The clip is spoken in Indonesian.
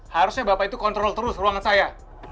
harusnya bapak itu kontrol terus ruangan saya